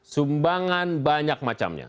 sumbangan banyak macamnya